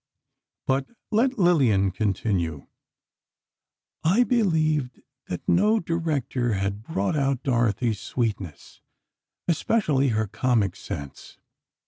But let Lillian continue: "I believed that no director had brought out Dorothy's sweetness, especially her comic sense.